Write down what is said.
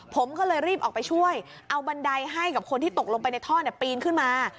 ผมก็เลยรีบออกไปช่วยเอาบันไดให้กับคนที่ตกลงไปในท่อปีนขึ้นมา